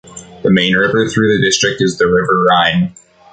The main river through the district is the River Rhine.